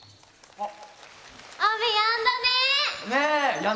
あっ！